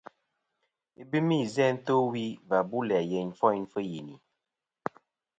Ibɨmi izæ to wi và bu læ yeyn ɨfoyn fɨ yini.